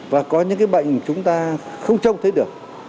và có những cái bệnh chúng ta không trông thấy được